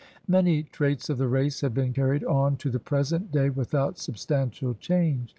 Many traits of the race have been carried on to the present day without substantial change.